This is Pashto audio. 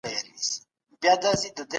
بحثونه کله پای ته رسېږي؟